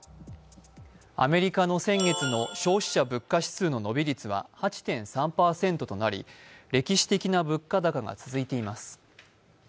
アメリカの先月の消費者物価指数の伸び率は８．３％となり歴史的な物価高が続いています。